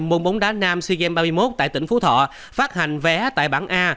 môn bóng đá nam sea games ba mươi một tại tỉnh phú thọ phát hành vé tại bảng a